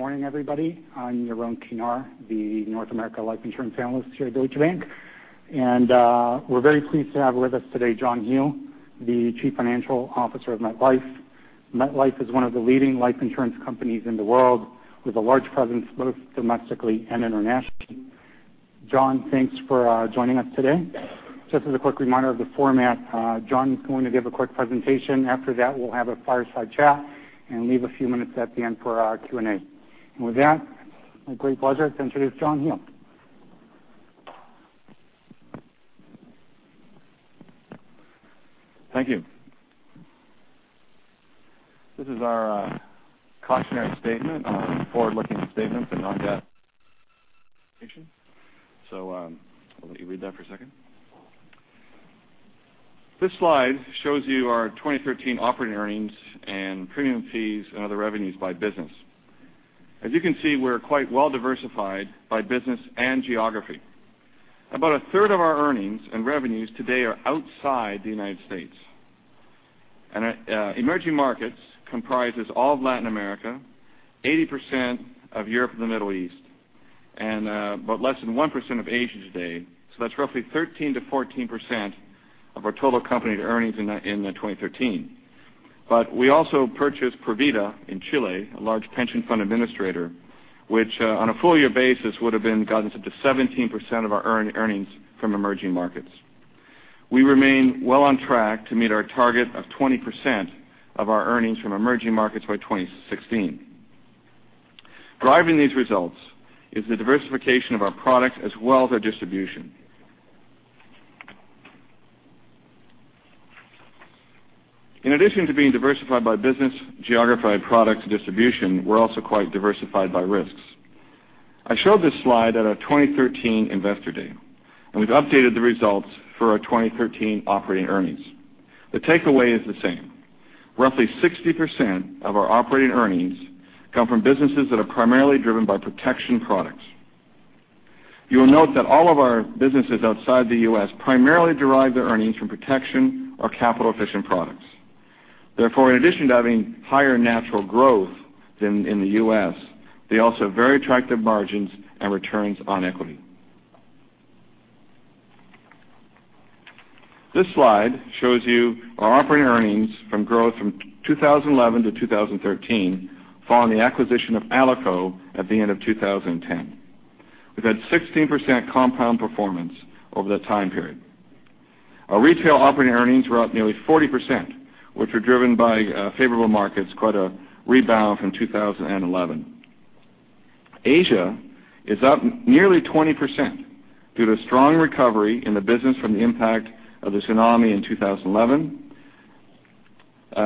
Good morning, everybody. I'm Yaron Kinar, the North America life insurance analyst here at Deutsche Bank. We're very pleased to have with us today John Hele, the Chief Financial Officer of MetLife. MetLife is one of the leading life insurance companies in the world, with a large presence both domestically and internationally. John, thanks for joining us today. Just as a quick reminder of the format, John is going to give a quick presentation. After that, we'll have a fireside chat and leave a few minutes at the end for our Q&A. With that, my great pleasure to introduce John Hele. Thank you. This is our cautionary statement on forward-looking statements and not GAAP presentation. I'll let you read that for a second. This slide shows you our 2013 operating earnings and premium fees and other revenues by business. As you can see, we're quite well diversified by business and geography. About a third of our earnings and revenues today are outside the United States. Emerging markets comprises all of Latin America, 80% of Europe and the Middle East, and about less than 1% of Asia today. That's roughly 13%-14% of our total company earnings in 2013. We also purchased Provida in Chile, a large pension fund administrator, which, on a full year basis, would have gotten us up to 17% of our earnings from emerging markets. We remain well on track to meet our target of 20% of our earnings from emerging markets by 2016. Driving these results is the diversification of our products as well as our distribution. In addition to being diversified by business, geography, products, and distribution, we're also quite diversified by risks. I showed this slide at our 2013 investor day. We've updated the results for our 2013 operating earnings. The takeaway is the same. Roughly 60% of our operating earnings come from businesses that are primarily driven by protection products. You will note that all of our businesses outside the U.S. primarily derive their earnings from protection or capital-efficient products. Therefore, in addition to having higher natural growth than in the U.S., they also have very attractive margins and returns on equity. This slide shows you our operating earnings from growth from 2011 to 2013 following the acquisition of Alico at the end of 2010. We've had 16% compound performance over the time period. Our retail operating earnings were up nearly 40%, which were driven by favorable markets, quite a rebound from 2011. Asia is up nearly 20% due to strong recovery in the business from the impact of the tsunami in 2011.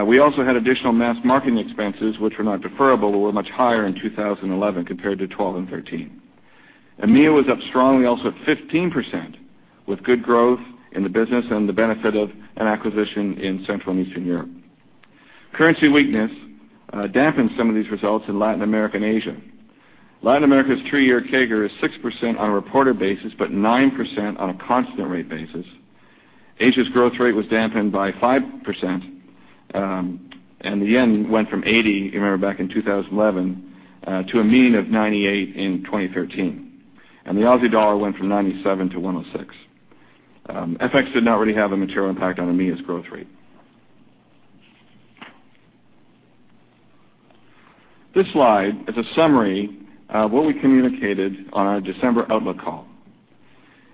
We also had additional mass marketing expenses, which were not deferrable, were much higher in 2011 compared to 2012 and 2013. EMEA was up strongly also at 15%, with good growth in the business and the benefit of an acquisition in Central and Eastern Europe. Currency weakness dampened some of these results in Latin America and Asia. Latin America's three-year CAGR is 6% on a reported basis, but 9% on a constant rate basis. Asia's growth rate was dampened by 5%. The yen went from 80, you remember back in 2011, to a mean of 98 in 2013. The Aussie dollar went from 97 to 106. FX did not really have a material impact on EMEA's growth rate. This slide is a summary of what we communicated on our December outlook call.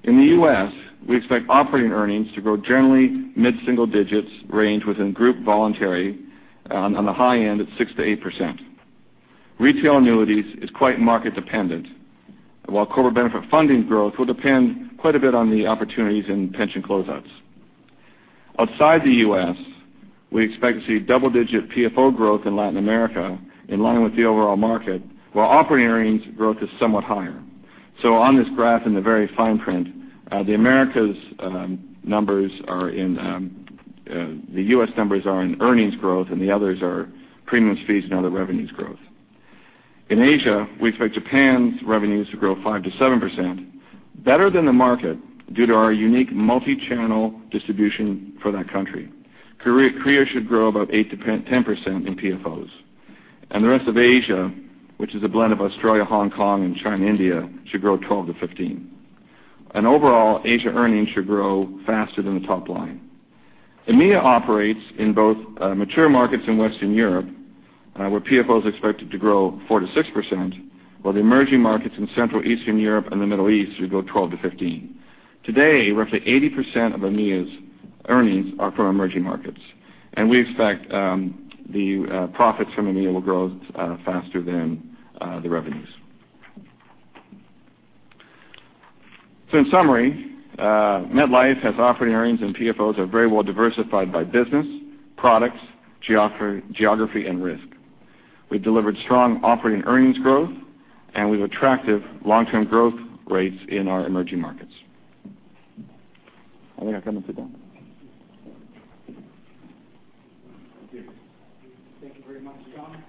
In the U.S., we expect operating earnings to grow generally mid-single digits, range within group voluntary on the high end at 6%-8%. Retail annuities is quite market dependent, while corporate benefit funding growth will depend quite a bit on the opportunities in pension closeouts. Outside the U.S., we expect to see double-digit PFO growth in Latin America in line with the overall market, while operating earnings growth is somewhat higher. On this graph in the very fine print, the U.S. numbers are in earnings growth and the others are premiums, fees, and other revenues growth. In Asia, we expect Japan's revenues to grow 5%-7%, better than the market due to our unique multi-channel distribution for that country. Korea should grow about 8%-10% in PFOs. The rest of Asia, which is a blend of Australia, Hong Kong, and China, India, should grow 12%-15%. Overall, Asia earnings should grow faster than the top line. EMEA operates in both mature markets in Western Europe, where PFO is expected to grow 4%-6%, while the emerging markets in Central Eastern Europe and the Middle East will grow 12%-15%. Today, roughly 80% of EMEA's earnings are from emerging markets. We expect the profits from EMEA will grow faster than the revenues. In summary, MetLife has operating earnings and PFOs are very well diversified by business, products, geography, and risk. We've delivered strong operating earnings growth. We have attractive long-term growth rates in our emerging markets. I think I've come to sit down. Thank you. Thank you very much, John.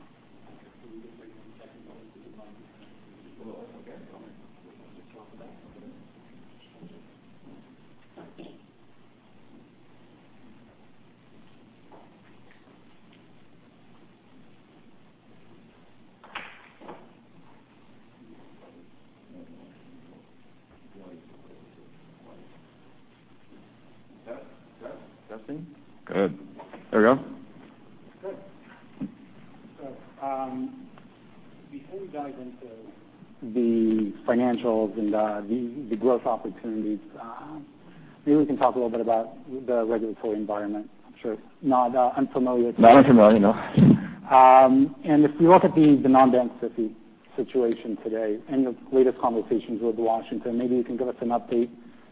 Seth? Justin? Good. There we go. Good. Before we dive into the financials and the growth opportunities, maybe we can talk a little bit about the regulatory environment. I'm sure it's not unfamiliar to you. Not unfamiliar, no. If you look at the non-bank SIFI situation today and your latest conversations with Washington, maybe you can give us an update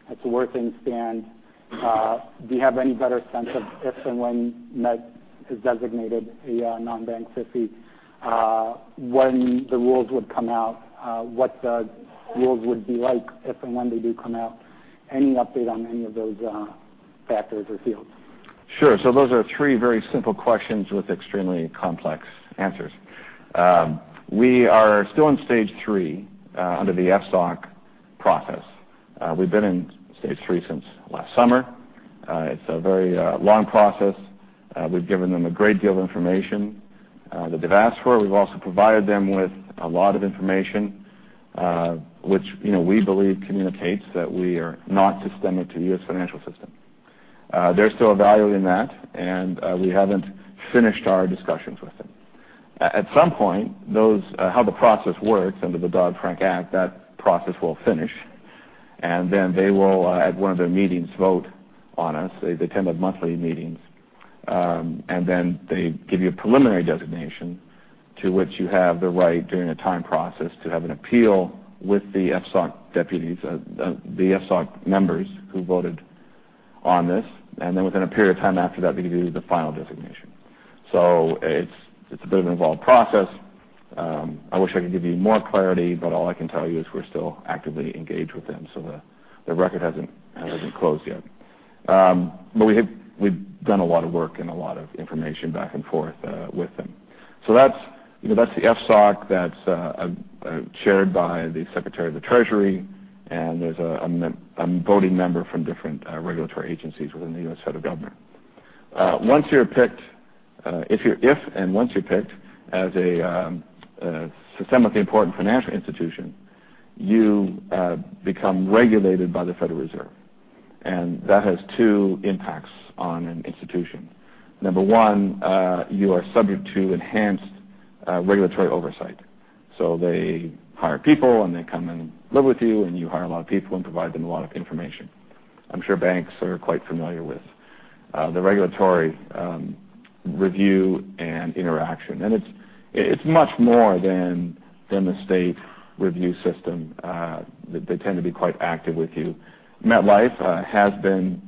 as to where things stand. Do you have any better sense of if and when Met is designated a non-bank SIFI, when the rules would come out, what the rules would be like if and when they do come out? Any update on any of those factors or fields? Sure. Those are three very simple questions with extremely complex answers. We are still in stage 3 under the FSOC process. We've been in stage 3 since last summer. It's a very long process. We've given them a great deal of information that they've asked for. We've also provided them with a lot of information, which we believe communicates that we are not systemic to the U.S. financial system. They're still evaluating that, and we haven't finished our discussions with them. At some point, how the process works under the Dodd-Frank Act, that process will finish, and then they will, at one of their meetings, vote on us. They attend those monthly meetings. They give you a preliminary designation to which you have the right during a time process to have an appeal with the FSOC members who voted on this. Within a period of time after that, they give you the final designation. It's a bit of an involved process. I wish I could give you more clarity, but all I can tell you is we're still actively engaged with them, the record hasn't closed yet. We've done a lot of work and a lot of information back and forth with them. That's the FSOC that's chaired by the Secretary of the Treasury, and there's a voting member from different regulatory agencies within the U.S. federal government. If and once you're picked as a Systemically Important Financial Institution, you become regulated by the Federal Reserve. That has two impacts on an institution. Number one, you are subject to enhanced regulatory oversight. They hire people, and they come and live with you, and you hire a lot of people and provide them a lot of information. I'm sure banks are quite familiar with the regulatory review and interaction. It's much more than the state review system. They tend to be quite active with you. MetLife has been,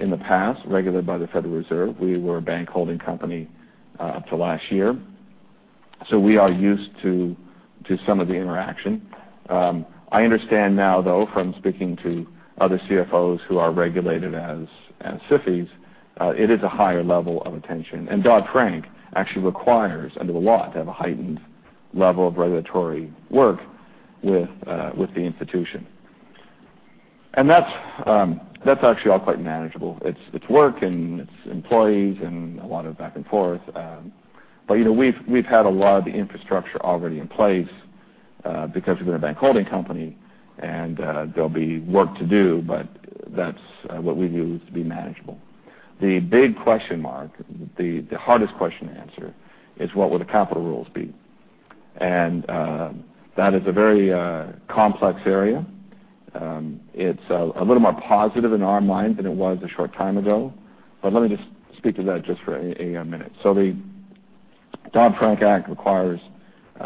in the past, regulated by the Federal Reserve. We were a bank holding company up to last year. We are used to some of the interaction. I understand now, though, from speaking to other CFOs who are regulated as SIFIs, it is a higher level of attention. Dodd-Frank actually requires under the law to have a heightened level of regulatory work with the institution. That's actually all quite manageable. It's work and it's employees and a lot of back and forth. We've had a lot of the infrastructure already in place because we've been a bank holding company, and there'll be work to do, but that's what we view to be manageable. The big question mark, the hardest question to answer is what will the capital rules be? That is a very complex area. It's a little more positive in our mind than it was a short time ago, let me just speak to that just for a minute. The Dodd-Frank Act requires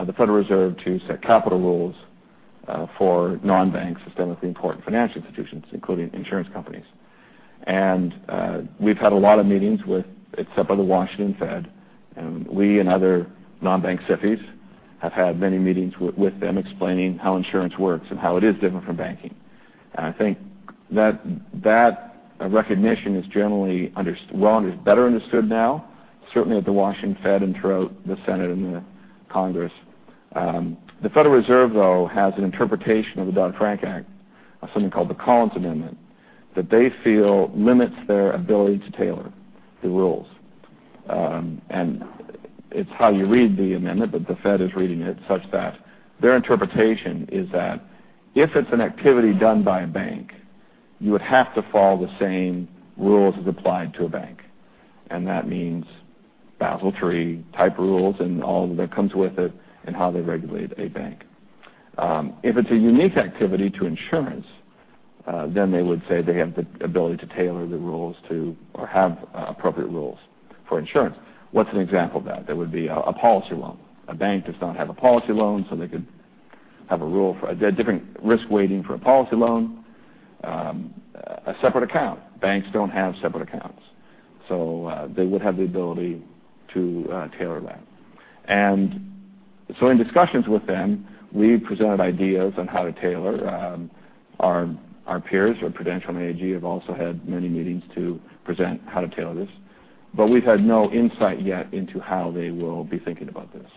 the Federal Reserve to set capital rules for non-bank Systemically Important Financial Institutions, including insurance companies. We've had a lot of meetings with, it's up by the Washington Fed, and we and other non-bank SIFIs have had many meetings with them explaining how insurance works and how it is different from banking. I think that recognition is generally better understood now, certainly at the Washington Fed and throughout the Senate and the Congress. The Federal Reserve, though, has an interpretation of the Dodd-Frank Act, something called the Collins Amendment, that they feel limits their ability to tailor the rules. It's how you read the amendment, but the Fed is reading it such that their interpretation is that if it's an activity done by a bank, you would have to follow the same rules as applied to a bank. That means Basel III type rules and all that comes with it and how they regulate a bank. If it's a unique activity to insurance, they would say they have the ability to tailor the rules to or have appropriate rules for insurance. What's an example of that? That would be a policy loan. A bank does not have a policy loan, they could have a different risk weighting for a policy loan. A separate account. Banks don't have separate accounts. They would have the ability to tailor that. In discussions with them, we've presented ideas on how to tailor. Our peers at Prudential and AIG have also had many meetings to present how to tailor this. We've had no insight yet into how they will be thinking about this.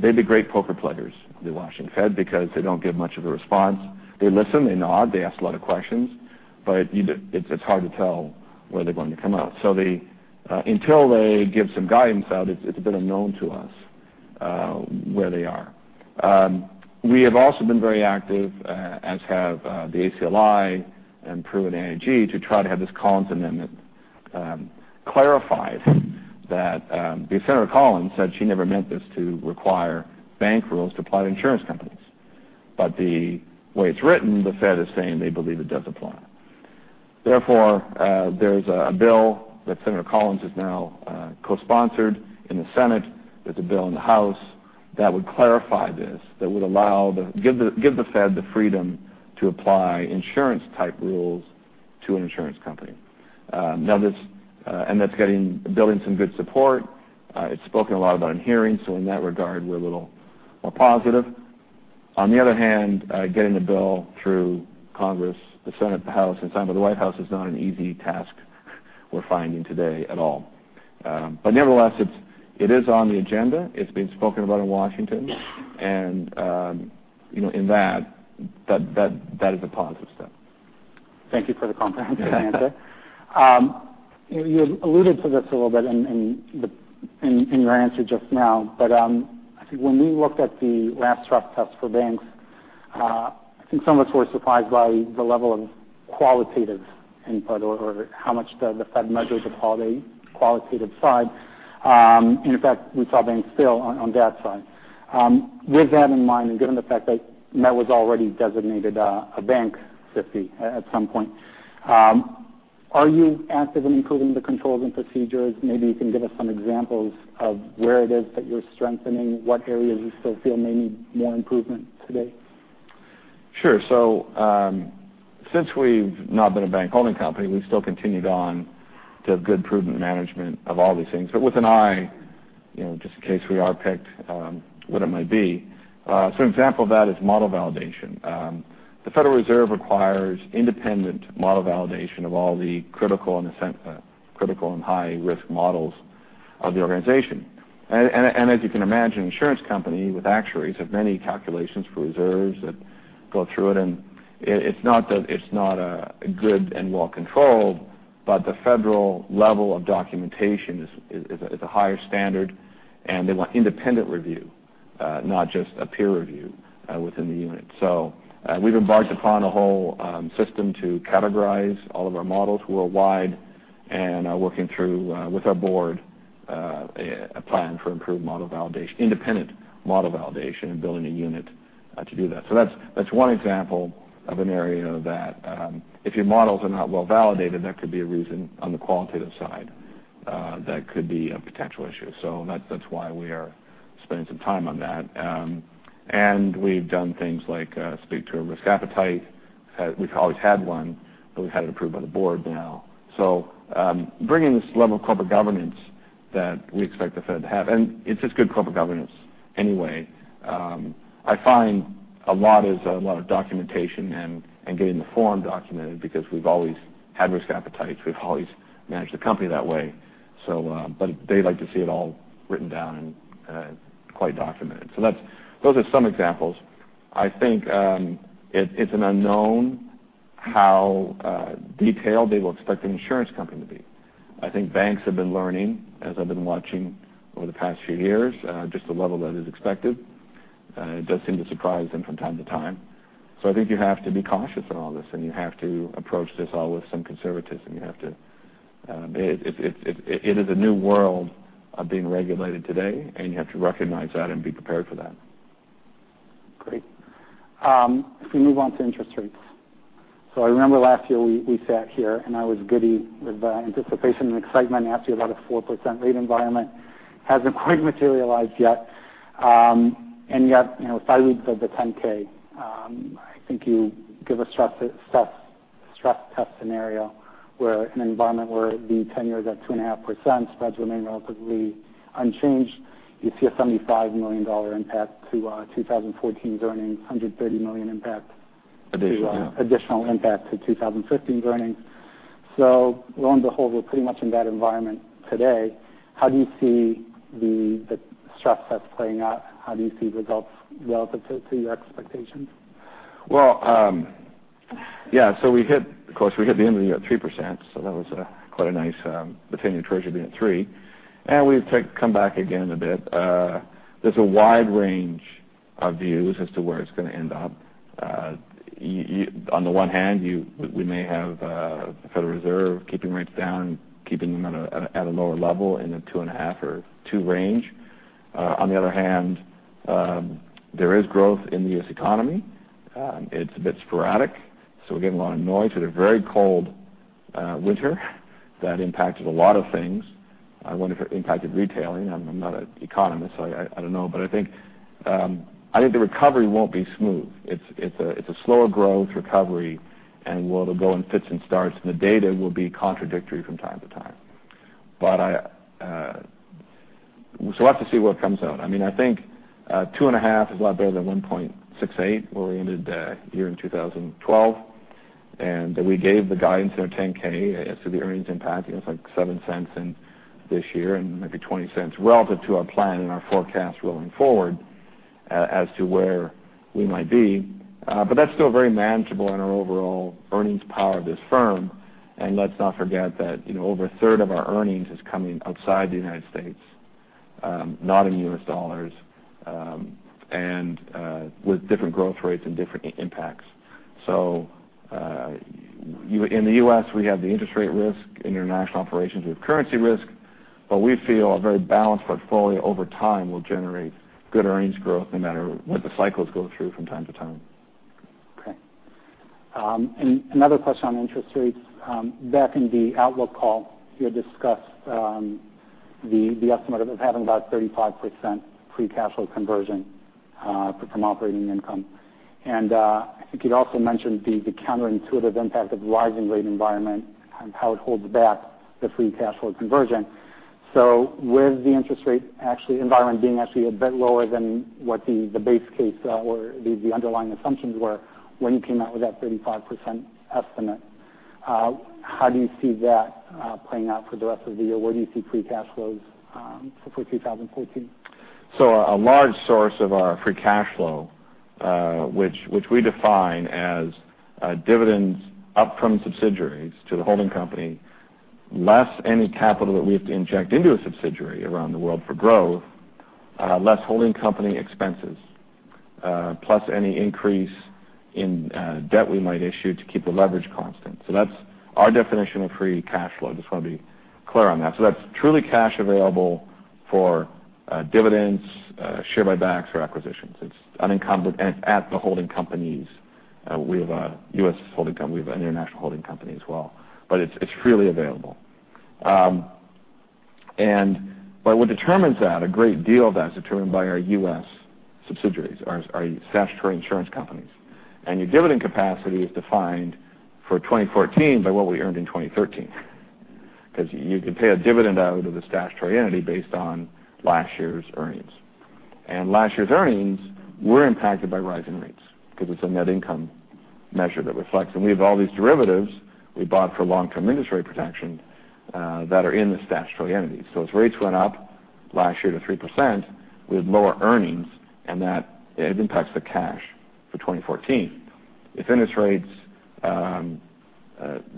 They'd be great poker players, the Washington Fed, because they don't give much of a response. They listen, they nod, they ask a lot of questions, but it's hard to tell where they're going to come out. Until they give some guidance out, it's a bit unknown to us where they are. We have also been very active, as have the ACLI and Pru and AIG, to try to have this Collins Amendment clarified because Senator Collins said she never meant this to require bank rules to apply to insurance companies. The way it's written, the Fed is saying they believe it does apply. Therefore, there's a bill that Senator Collins has now co-sponsored in the Senate. There's a bill in the House that would clarify this, that would give the Fed the freedom to apply insurance-type rules to an insurance company. That's building some good support. It's spoken a lot about in hearings, in that regard, we're a little more positive. On the other hand, getting a bill through Congress, the Senate, the House, and signed by the White House is not an easy task we're finding today at all. Nevertheless, it is on the agenda. It's being spoken about in Washington, that is a positive step. Thank you for the comprehensive answer. You alluded to this a little bit in your answer just now. I think when we looked at the last stress test for banks, I think some of us were surprised by the level of qualitative input, or how much the Fed measures the qualitative side. In fact, we saw banks fail on that side. With that in mind, and given the fact that Met was already designated a bank SIFI at some point, are you active in improving the controls and procedures? Maybe you can give us some examples of where it is that you're strengthening, what areas you still feel may need more improvement today. Sure. Since we've not been a bank holding company, we've still continued on to good prudent management of all these things, but with an eye, just in case we are picked, what it might be. An example of that is model validation. The Federal Reserve requires independent model validation of all the critical and high-risk models of the organization. As you can imagine, insurance company with actuaries have many calculations for reserves that go through it, and it's not that it's not good and well-controlled, but the federal level of documentation is a higher standard, and they want independent review, not just a peer review within the unit. We've embarked upon a whole system to categorize all of our models worldwide and are working through, with our board, a plan for improved model validation, independent model validation, and building a unit to do that. That's one example of an area that, if your models are not well-validated, that could be a reason on the qualitative side that could be a potential issue. That's why we are spending some time on that. We've done things like speak to a risk appetite. We've always had one, but we've had it approved by the board now. Bringing this level of corporate governance that we expect the Fed to have. It's just good corporate governance anyway. I find a lot is a lot of documentation and getting the form documented because we've always had risk appetites. We've always managed the company that way. They like to see it all written down and quite documented. Those are some examples. I think it's an unknown how detailed they will expect an insurance company to be. I think banks have been learning, as I've been watching over the past few years, just the level that is expected. It does seem to surprise them from time to time. I think you have to be cautious in all this, and you have to approach this all with some conservatism. It is a new world of being regulated today, and you have to recognize that and be prepared for that. Great. If we move on to interest rates. I remember last year we sat here, and I was giddy with anticipation and excitement, and asked you about a 4% rate environment. Hasn't quite materialized yet. Yet, if I read the 10-K, I think you give a stress test scenario where an environment where the 10-year is at 2.5%, spreads remain relatively unchanged. You see a $75 million impact to 2014's earnings, $130 million impact- Additional additional impact to 2015 earnings. Lo and behold, we're pretty much in that environment today. How do you see the stress test playing out? How do you see results relative to your expectations? Well, we hit the end of the year at 3%, that was quite nice, the 10-year Treasury being at 3%. We've come back again a bit. There's a wide range of views as to where it's going to end up. On the one hand, we may have the Federal Reserve keeping rates down, keeping them at a lower level in the 2.5% or 2% range. On the other hand, there is growth in the U.S. economy. It's a bit sporadic, we're getting a lot of noise with a very cold winter that impacted a lot of things. I wonder if it impacted retailing. I'm not an economist, I don't know. I think the recovery won't be smooth. It's a slower growth recovery, and will go in fits and starts, and the data will be contradictory from time to time. We'll have to see what comes out. I think 2.5% is a lot better than 1.68%, where we ended the year in 2012. We gave the guidance in our 10-K as to the earnings impact. It's like $0.07 this year and maybe $0.20 relative to our plan and our forecast rolling forward as to where we might be. That's still very manageable in our overall earnings power of this firm. Let's not forget that over a third of our earnings is coming outside the United States, not in U.S. dollars, and with different growth rates and different impacts. In the U.S., we have the interest rate risk. In international operations, we have currency risk. We feel a very balanced portfolio over time will generate good earnings growth no matter what the cycles go through from time to time. Okay. Another question on interest rates. Back in the outlook call, you had discussed the estimate of having about 35% free cash flow conversion from operating income. I think you'd also mentioned the counterintuitive impact of rising rate environment and how it holds back the free cash flow conversion. With the interest rate environment being actually a bit lower than what the base case or the underlying assumptions were when you came out with that 35% estimate, how do you see that playing out for the rest of the year? Where do you see free cash flows for 2014? A large source of our free cash flow, which we define as dividends up from subsidiaries to the holding company, less any capital that we have to inject into a subsidiary around the world for growth, less holding company expenses, plus any increase in debt we might issue to keep the leverage constant. That's our definition of free cash flow. Just want to be clear on that. That's truly cash available for dividends, share buybacks, or acquisitions. It's unencumbered at the holding companies. We have a U.S. holding company, we have an international holding company as well, but it's freely available. What determines that, a great deal of that is determined by our U.S. subsidiaries, our statutory insurance companies. Your dividend capacity is defined for 2014 by what we earned in 2013. Because you could pay a dividend out of the statutory entity based on last year's earnings. Last year's earnings were impacted by rising rates because it's a net income measure that reflects. We have all these derivatives we bought for long-term industry protection that are in the statutory entity. As rates went up last year to 3%, we had lower earnings, and it impacts the cash for 2014. If interest rates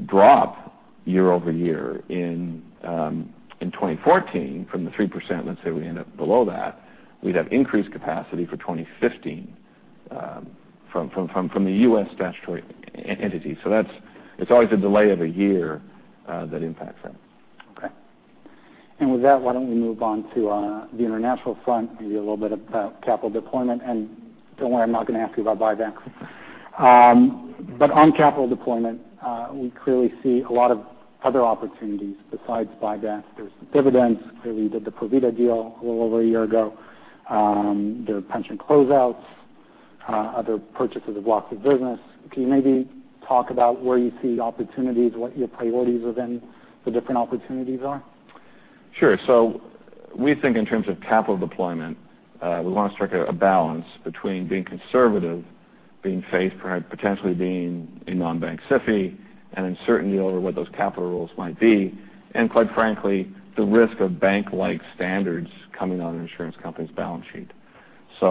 drop year-over-year in 2014 from the 3%, let's say we end up below that, we'd have increased capacity for 2015 from the U.S. statutory entity. It's always a delay of a year that impacts that. Okay. With that, why don't we move on to the international front, maybe a little bit about capital deployment. Don't worry, I'm not going to ask you about buybacks. On capital deployment, we clearly see a lot of other opportunities besides buybacks. There's dividends. Clearly, we did the Provida deal a little over a year ago. There are pension closeouts, other purchases of blocks of business. Can you maybe talk about where you see opportunities, what your priorities within the different opportunities are? Sure. We think in terms of capital deployment, we want to strike a balance between being conservative, potentially being a non-bank SIFI, and uncertainty over what those capital rules might be, and quite frankly, the risk of bank-like standards coming on an insurance company's balance sheet. We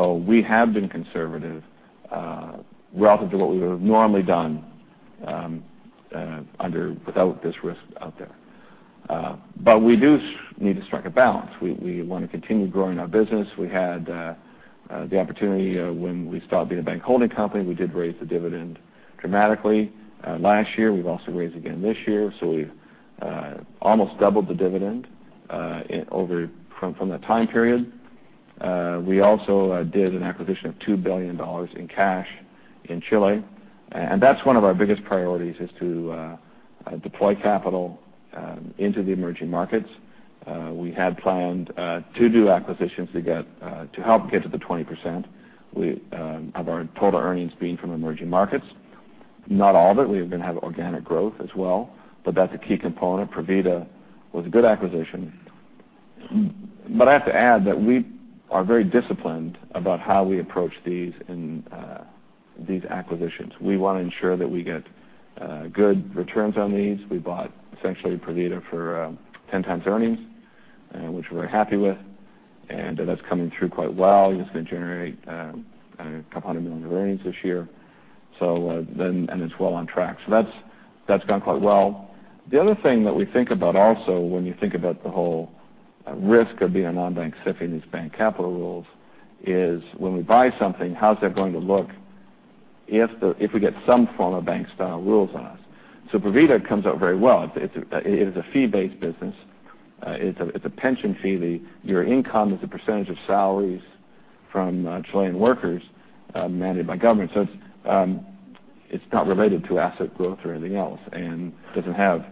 do need to strike a balance. We want to continue growing our business. We had the opportunity when we stopped being a bank holding company. We did raise the dividend dramatically last year. We've also raised again this year. We've almost doubled the dividend from that time period. We also did an acquisition of $2 billion in cash in Chile, and that's one of our biggest priorities is to deploy capital into the emerging markets. We had planned to do acquisitions to help get to the 20% of our total earnings being from emerging markets. Not all of it. We are going to have organic growth as well, but that's a key component. Provida was a good acquisition. I have to add that we are very disciplined about how we approach these acquisitions. We want to ensure that we get good returns on these. We bought essentially Provida for 10 times earnings, which we're happy with, and that's coming through quite well. It's going to generate $200 million of earnings this year. It's well on track. That's gone quite well. The other thing that we think about also when you think about the whole risk of being a non-bank SIFI and these bank capital rules, is when we buy something, how's that going to look if we get some form of bank-style rules on us? Provida comes out very well. It is a fee-based business. It's a pension fee. Your income is a percentage of salaries from Chilean workers mandated by government. It's not related to asset growth or anything else and doesn't have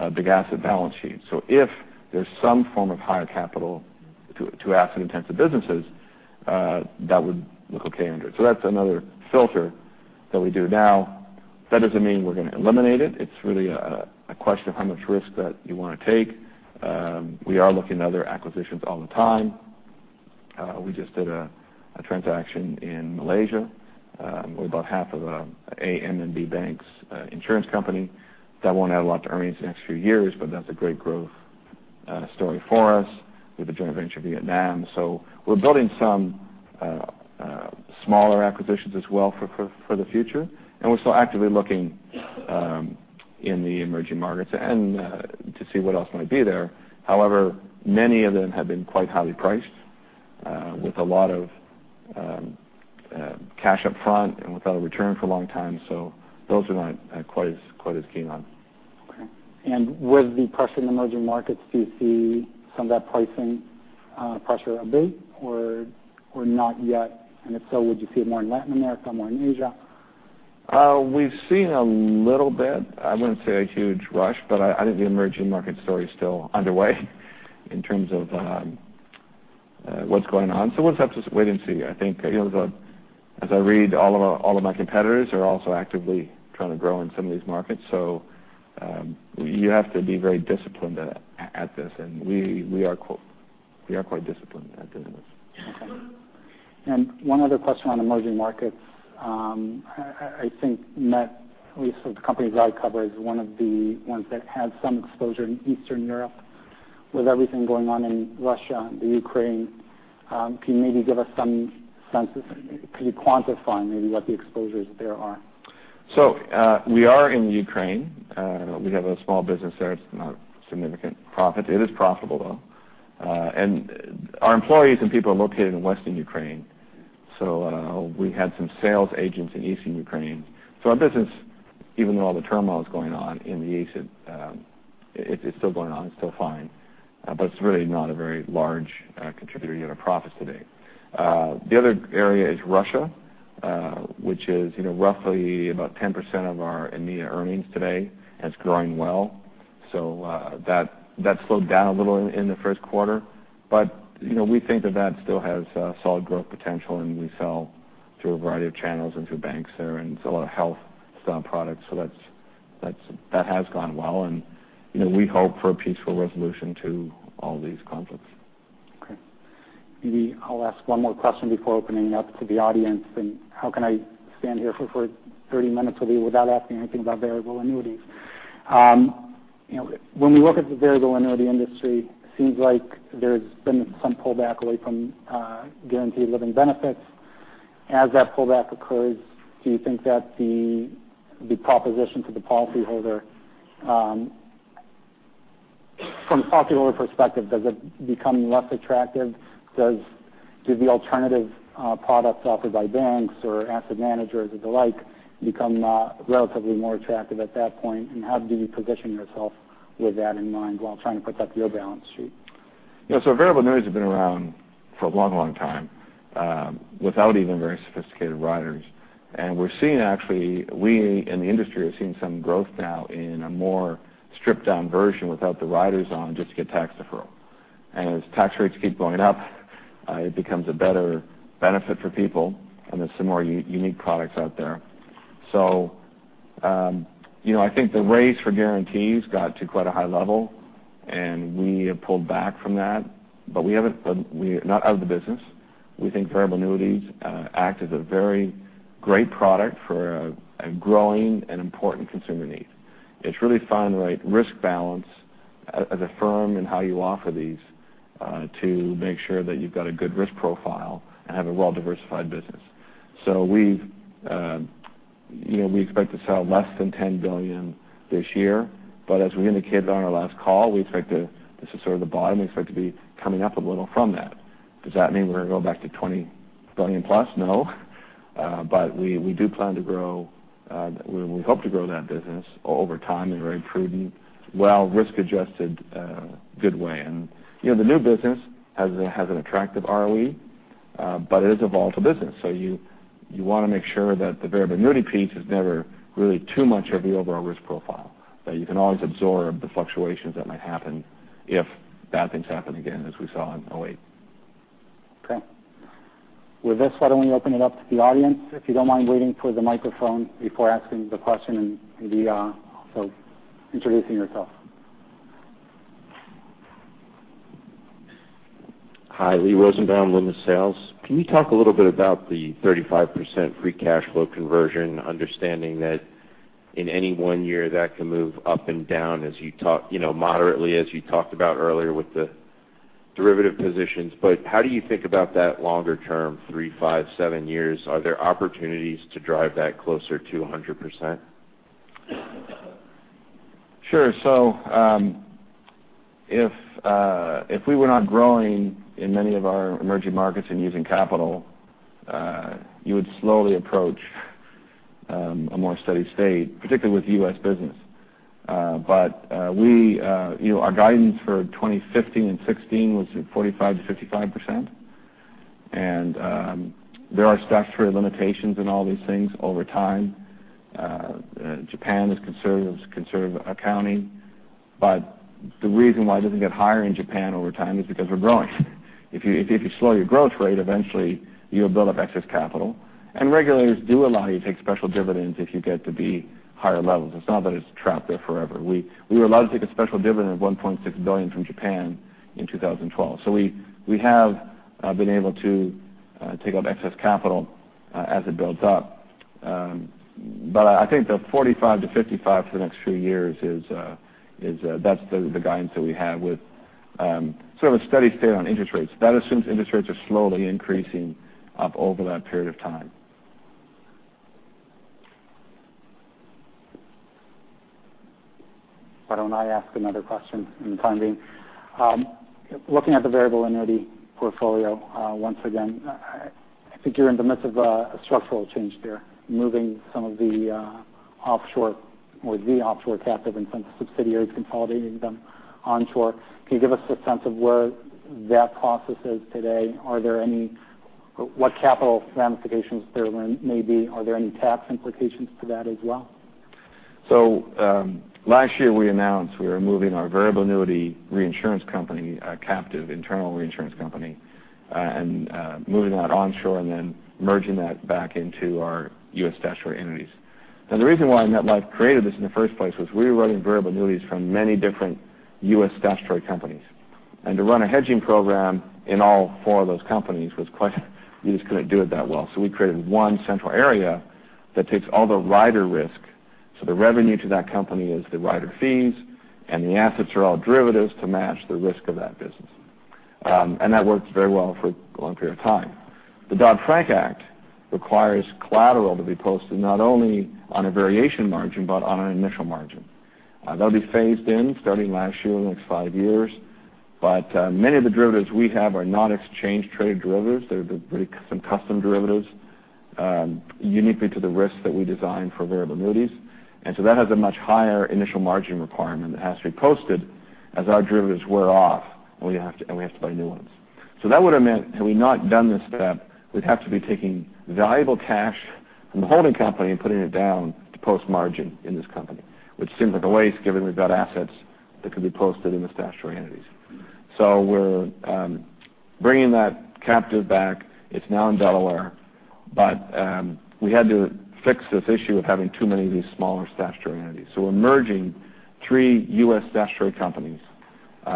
a big asset balance sheet. If there's some form of higher capital to asset-intensive businesses, that would look okay under it. That's another filter that we do. That doesn't mean we're going to eliminate it. It's really a question of how much risk that you want to take. We are looking at other acquisitions all the time. We just did a transaction in Malaysia. We bought half of an AmBank bank's insurance company. That won't add a lot to earnings the next few years, but that's a great growth story for us with a joint venture in Vietnam. We're building some smaller acquisitions as well for the future. We're still actively looking in the emerging markets to see what else might be there. However, many of them have been quite highly priced, with a lot of cash up front and without a return for a long time. Those we're not quite as keen on. Okay. With the pressure in emerging markets, do you see some of that pricing pressure abate or not yet? If so, would you see it more in Latin America, more in Asia? We've seen a little bit. I wouldn't say a huge rush, but I think the emerging market story is still underway in terms of what's going on. We'll just have to wait and see. I think as I read, all of my competitors are also actively trying to grow in some of these markets. You have to be very disciplined at this, and we are quite disciplined at doing this. Okay. One other question on emerging markets. I think Met, at least of the companies I cover, is one of the ones that has some exposure in Eastern Europe. With everything going on in Russia and the Ukraine, can you maybe give us some sense, can you quantify maybe what the exposures there are? We are in Ukraine. We have a small business there. It's not significant profits. It is profitable, though. Our employees and people are located in Western Ukraine. We had some sales agents in Eastern Ukraine. Our business, even though all the turmoil is going on in the east, it's still going on, it's still fine. It's really not a very large contributor to profits today. The other area is Russia, which is roughly about 10% of our EMEA earnings today. That's growing well. That slowed down a little in the first quarter. We think that that still has solid growth potential, and we sell through a variety of channels and through banks there. A lot of health products. That has gone well, and we hope for a peaceful resolution to all these conflicts. Okay. Maybe I'll ask one more question before opening it up to the audience. How can I stand here for 30 minutes with you without asking anything about variable annuities? When we look at the variable annuity industry, it seems like there's been some pullback away from guaranteed living benefits. As that pullback occurs, do you think that the proposition to the policyholder, from a policyholder perspective, does it become less attractive? Do the alternative products offered by banks or asset managers or the like become relatively more attractive at that point? How do you position yourself with that in mind while trying to protect your balance sheet? Variable annuities have been around for a long time, without even very sophisticated riders. We in the industry are seeing some growth now in a more stripped-down version without the riders on, just to get tax deferral. As tax rates keep going up, it becomes a better benefit for people, and there are some more unique products out there. I think the race for guarantees got to quite a high level, and we have pulled back from that. We are not out of the business. We think variable annuities act as a very great product for a growing and important consumer need. It's really finding the right risk balance as a firm in how you offer these to make sure that you've got a good risk profile and have a well-diversified business. We expect to sell less than $10 billion this year. As we indicated on our last call, this is sort of the bottom. We expect to be coming up a little from that. Does that mean we're going to go back to $20 billion plus? No. We do plan to grow, we hope to grow that business over time in a very prudent, well risk-adjusted, good way. The new business has an attractive ROE, but it is a volatile business. You want to make sure that the variable annuity piece is never really too much of the overall risk profile, that you can always absorb the fluctuations that might happen if bad things happen again as we saw in 2008. Okay. With this, why don't we open it up to the audience? If you don't mind waiting for the microphone before asking the question and maybe also introducing yourself. Hi. Lee Rosenbaum, Loomis Sayles. Can you talk a little bit about the 35% free cash flow conversion, understanding that in any one year, that can move up and down moderately, as you talked about earlier with the derivative positions. How do you think about that longer term, three, five, seven years? Are there opportunities to drive that closer to 100%? Sure. If we were not growing in many of our emerging markets and using capital, you would slowly approach a more steady state, particularly with the U.S. business. Our guidance for 2015 and 2016 was at 45% to 55%, and there are statutory limitations in all these things over time. Japan is conservative accounting. The reason why it doesn't get higher in Japan over time is because we're growing. If you slow your growth rate, eventually you'll build up excess capital. Regulators do allow you to take special dividends if you get to the higher levels. It's not that it's trapped there forever. We were allowed to take a special dividend of $1.6 billion from Japan in 2012. We have been able to take out excess capital as it builds up. I think the 45 to 55 for the next few years, that's the guidance that we have with a steady state on interest rates. That assumes interest rates are slowly increasing up over that period of time. Why don't I ask another question in the time being? Looking at the variable annuity portfolio, once again, I think you're in the midst of a structural change there, moving some of the offshore, or the offshore captive and some subsidiaries, consolidating them onshore. Can you give us a sense of where that process is today? What capital ramifications there may be? Are there any tax implications to that as well? Last year we announced we are moving our variable annuity reinsurance company, a captive internal reinsurance company, and moving that onshore and then merging that back into our U.S. statutory entities. The reason why MetLife created this in the first place was we were running variable annuities from many different U.S. statutory companies. To run a hedging program in all four of those companies, we just couldn't do it that well. We created one central area that takes all the rider risk. The revenue to that company is the rider fees, and the assets are all derivatives to match the risk of that business. That worked very well for a long period of time. The Dodd-Frank Act requires collateral to be posted not only on a variation margin, but on an initial margin. That'll be phased in starting last year, over the next five years. Many of the derivatives we have are not exchange traded derivatives. They're some custom derivatives, uniquely to the risk that we design for variable annuities. That has a much higher initial margin requirement that has to be posted as our derivatives wear off, and we have to buy new ones. That would've meant, had we not done this step, we'd have to be taking valuable cash from the holding company and putting it down to post margin in this company, which seems like a waste given we've got assets that can be posted in the statutory entities. We're bringing that captive back. It's now in Delaware. We had to fix this issue of having too many of these smaller statutory entities. We're merging three U.S. statutory companies.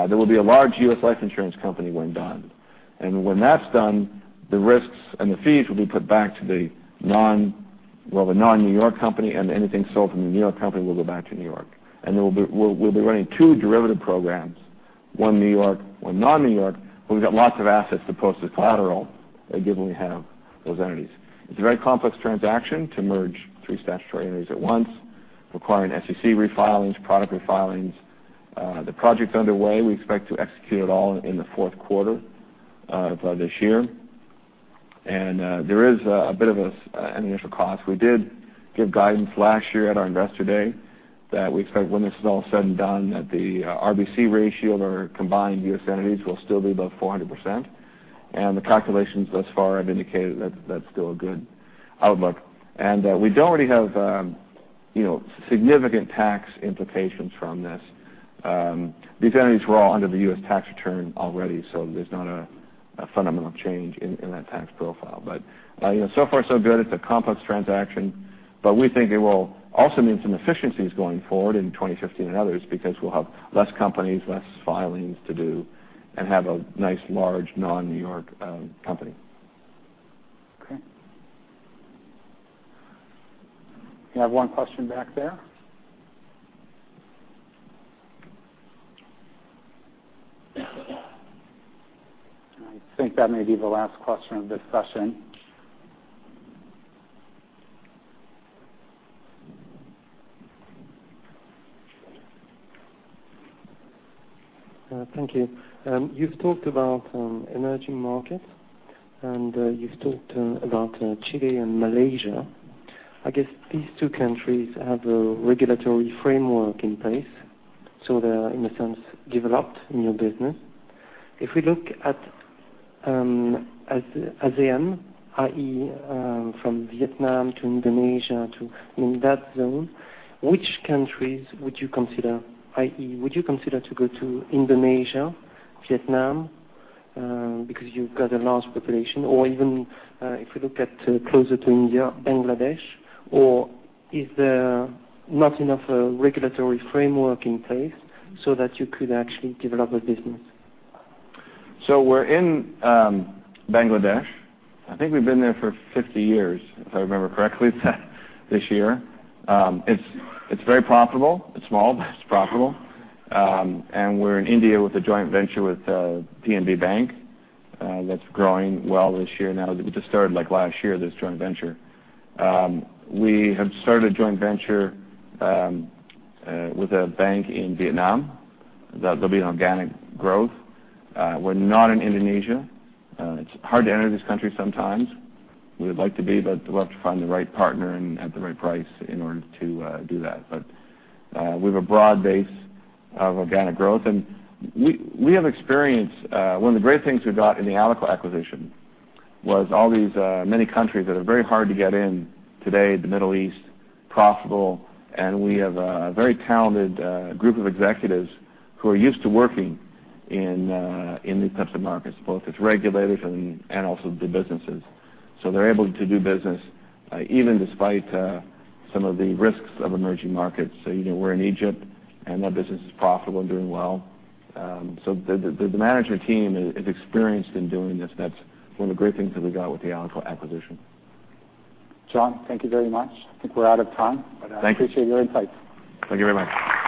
There will be a large U.S. life insurance company when done. When that's done, the risks and the fees will be put back to the non, well, the non-New York company, and anything sold from the New York company will go back to New York. We'll be running two derivative programs, one in New York, one non-New York, but we've got lots of assets to post as collateral, given we have those entities. It's a very complex transaction to merge three statutory entities at once, requiring SEC refilings, product refilings. The project's underway. We expect to execute it all in the fourth quarter of this year. There is a bit of an initial cost. We did give guidance last year at our investor day that we expect when this is all said and done, that the RBC ratio of our combined U.S. entities will still be above 400%. The calculations thus far have indicated that that's still a good outlook. We don't really have significant tax implications from this. These entities were all under the U.S. tax return already, so there's not a fundamental change in that tax profile. So far so good. It's a complex transaction, but we think it will also mean some efficiencies going forward in 2015 and others because we'll have less companies, less filings to do, and have a nice large non-New York company. Okay. You have one question back there? I think that may be the last question of this session. Thank you. You've talked about emerging markets, you've talked about Chile and Malaysia. I guess these two countries have a regulatory framework in place, so they are, in a sense, developed in your business. If we look at ASEAN, i.e., from Vietnam to Indonesia to in that zone, which countries would you consider? i.e., would you consider to go to Indonesia, Vietnam, because you've got a large population? Even if we look at closer to India, Bangladesh? Is there not enough regulatory framework in place so that you could actually develop a business? We're in Bangladesh. I think we've been there for 50 years, if I remember correctly, this year. It's very profitable. It's small, but it's profitable. We're in India with a joint venture with PNB Bank. That's growing well this year now. We just started last year, this joint venture. We have started a joint venture with a bank in Vietnam. That'll be an organic growth. We're not in Indonesia. It's hard to enter this country sometimes. We would like to be, but we'll have to find the right partner and at the right price in order to do that. We have a broad base of organic growth, and we have experience. One of the great things we got in the Alico acquisition was all these many countries that are very hard to get in today, the Middle East, profitable, and we have a very talented group of executives who are used to working in these types of markets, both its regulators and also the businesses. They're able to do business even despite some of the risks of emerging markets. We're in Egypt, and that business is profitable and doing well. The management team is experienced in doing this. That's one of the great things that we got with the Alico acquisition. John, thank you very much. I think we're out of time. Thank you. I appreciate your insights. Thank you very much.